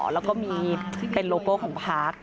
แล้วก็มีเป็นโลโก้ของพัก